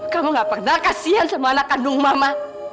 kamu gak pernah kasian sama anak kandung mama